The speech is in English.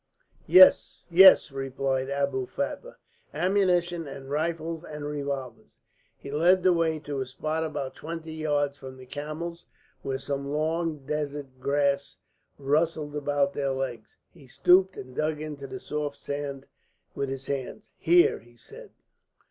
"Yes, yes," replied Abou Fatma, "ammunition and rifles and revolvers." He led the way to a spot about twenty yards from the camels, where some long desert grass rustled about their legs. He stooped and dug into the soft sand with his hands. "Here," he said.